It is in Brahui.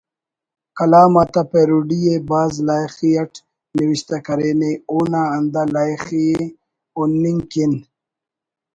کلام آتا پیروڈی ءِ بھاز لائخی اٹ نوشتہ کرینے اونا ہندا لائخی ءِ ہننگ کن